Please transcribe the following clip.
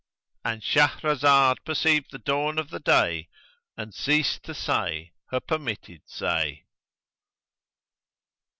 —And Shahrazad perceived the dawn of day and ceased to say her permitted say.